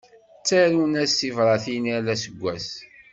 Ttarun-as tibratin yal aseggas.